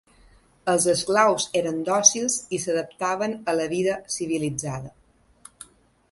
Els esclaus eren dòcils i s'adaptaven a la vida civilitzada.